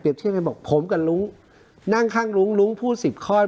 เปรียบที่ให้บอกผมกันลุ้งนั่งข้างลุ้งลุ้งพูดสิบข้อย